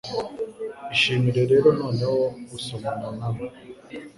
Ishimire rero noneho gusomana namwe